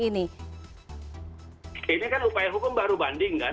ini kan upaya hukum baru banding kan